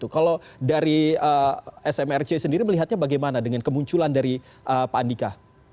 kalau dari smrc sendiri melihatnya bagaimana dengan kemunculan dari pak andika